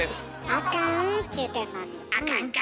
あかんちゅうてんのに。あかんか。